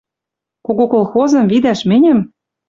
Кого колхозым видӓш мӹньӹм?